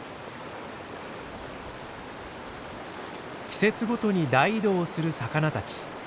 季節ごとに大移動をする魚たち。